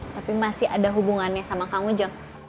tapi masih ada hubungannya sama kang ujang